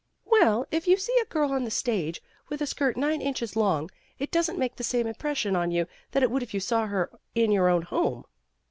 "Well, if you see a girl on the stage with a skirt nine inches long, it doesn't make the same impression on you that it would if you saw her in your own home."